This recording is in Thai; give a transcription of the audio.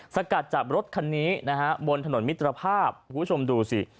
สกัดจับรถคันนี้นะฮะบนถนนมิตรภาพคุณผู้ชมดูสิ